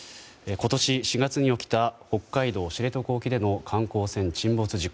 今年４月に起きた北海道知床沖での観光船の沈没事故。